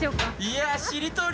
いやしりとり？